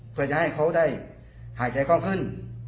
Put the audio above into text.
เพื่อจะให้เขาได้หายใจกว้างขึ้น